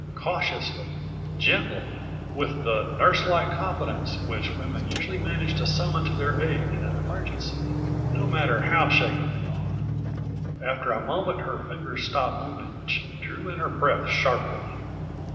Cautiously, gently, with the nurselike competence which women usually manage to summon to their aid in an emergency, no matter how shaken they are. After a moment her fingers stopped moving and she drew in her breath sharply.